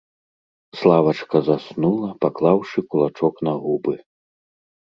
Славачка заснула, паклаўшы кулачок на губы.